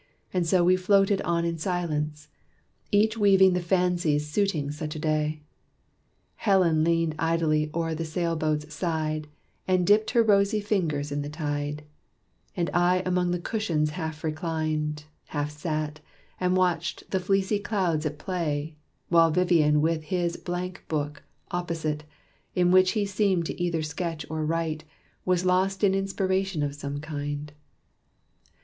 And so we floated on in silence, each Weaving the fancies suiting such a day. Helen leaned idly o'er the sail boat's side, And dipped her rosy fingers in the tide; And I among the cushions half reclined, Half sat, and watched the fleecy clouds at play While Vivian with his blank book, opposite, In which he seemed to either sketch or write Was lost in inspiration of some kind.